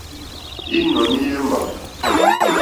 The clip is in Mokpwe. Ínɔ̀ní í yémbà.